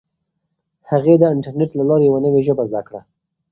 هغې د انټرنیټ له لارې یوه نوي ژبه زده کړه.